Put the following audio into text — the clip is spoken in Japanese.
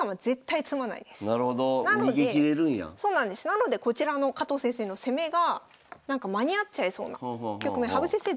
なのでこちらの加藤先生の攻めが間に合っちゃいそうな局面羽生先生